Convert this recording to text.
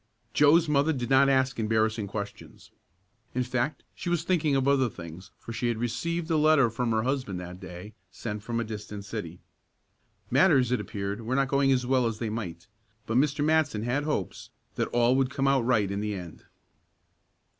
Joe's mother did not ask embarrassing questions. In fact she was thinking of other things, for she had received a letter from her husband that day, sent from a distant city. Matters it appeared were not going as well as they might, but Mr. Matson had hopes that all would come out right in the end.